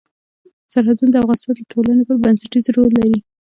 سرحدونه د افغانستان د ټولنې لپاره بنسټيز رول لري.